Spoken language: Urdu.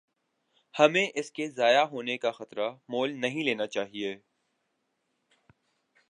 ہمیں اس کے ضائع ہونے کا خطرہ مول نہیں لینا چاہیے۔